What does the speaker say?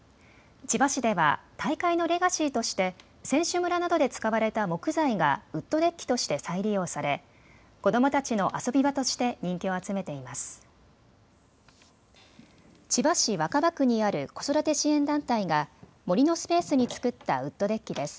千葉市では大会のレガシーとして選手村などで使われた木材がウッドデッキとして再利用され、子どもたちの遊び場として人気を集めています。